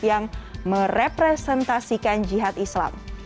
yang merepresentasikan jihad islam